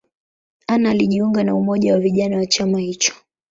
Anna alijiunga na umoja wa vijana wa chama hicho.